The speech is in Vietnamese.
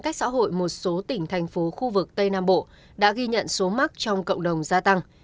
cách xã hội một số tỉnh thành phố khu vực tây nam bộ đã ghi nhận số mắc trong cộng đồng gia tăng